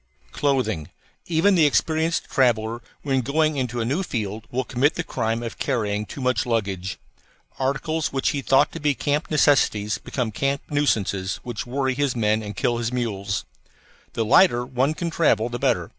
CLOTHING Even the experienced traveller when going into a new field will commit the crime of carrying too much luggage. Articles which he thought to be camp necessities become camp nuisances which worry his men and kill his mules. The lighter one can travel the better.